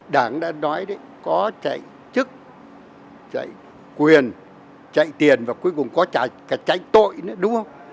đảng đã nói có trách chức trách quyền trách tiền và cuối cùng có trách tội nữa đúng không